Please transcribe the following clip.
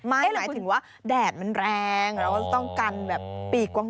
ไม่หมายถึงว่าแดดมันแรงแล้วต้องกันแบบปีกกว้าง